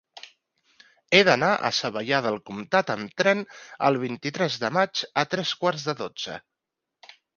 He d'anar a Savallà del Comtat amb tren el vint-i-tres de maig a tres quarts de dotze.